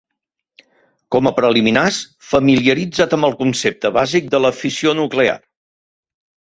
Com a preliminars, familiaritza't amb el concepte bàsic de la fissió nuclear.